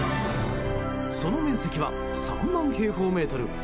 その面積は３万平方メートル